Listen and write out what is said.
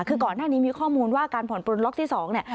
คือก่อนหน้านี้มีข้อมูลว่าการผ่อนปลนล็อกที่๒เนี่ย